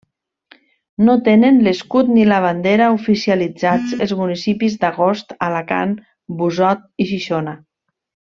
No tenen l'escut ni la bandera oficialitzats els municipis d'Agost, Alacant, Busot i Xixona.